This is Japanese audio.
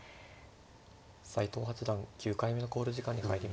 斎藤八段９回目の考慮時間に入りました。